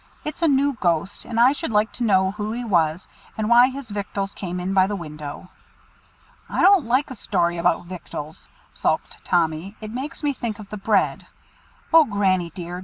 It's a new ghost, and I should like to know who he was, and why his victuals came in by the window." "I don't like a story about victuals," sulked Tommy. "It makes me think of the bread. O Granny dear!